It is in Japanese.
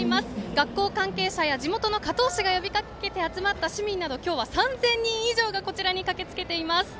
学校関係者や地元の河東市が呼びかけて集まった市民など今日は３０００人以上がこちらに駆けつけています。